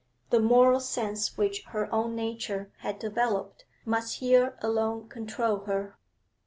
The moral sense which her own nature had developed must here alone control her.